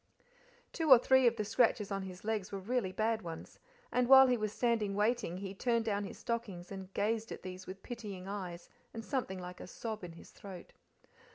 Two or three of the scratches on his legs were really bad ones, and while he was standing waiting he turned down his stockings and gazed at these with pitying eyes and something like a sob in his throat.